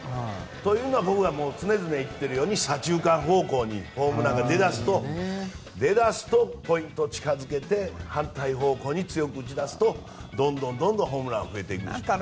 というのは僕が常々言っているように左中間方向にホームランが出だすとポイント近づけて反対方向に強く打ち出すとどんどんホームラン出るでしょう。